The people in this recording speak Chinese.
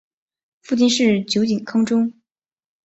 父亲是酒井康忠。